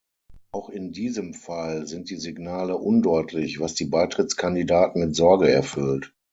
Auch in diesem Fall sind die Signale undeutlich, was die Beitrittskandidaten mit Sorge erfüllt.